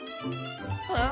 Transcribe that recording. えっ？